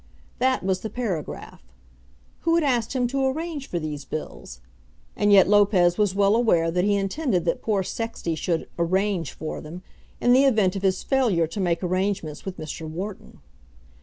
That was the paragraph. Who had asked him to arrange for these bills? And yet Lopez was well aware that he intended that poor Sexty should "arrange" for them, in the event of his failure to make arrangements with Mr. Wharton.